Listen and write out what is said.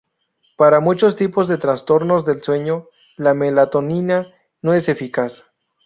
Para muchos tipos de trastornos del sueño, la melatonina no es eficaz.